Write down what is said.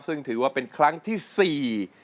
ซึ่งถือว่าเป็นครั้งที่สี่